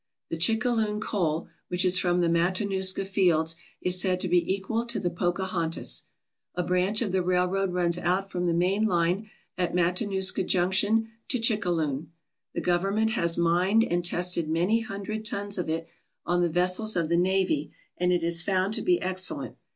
The Chicka loon coal, which is from the Matanuska fields, is said to be equal to the Pocahontas. A branch of the railroad runs out from the main line at Matanuska Junction to Chicka loon. The Government has mined and tested many hundred tons of it on the vessels of the navy and it is found to be excellent.